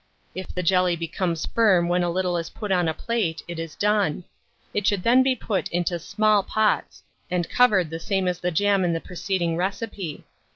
If the jelly becomes firm when a little is put on a plate, it is done; it should then be put into small pots, and covered the same as the jam in the preceding recipe.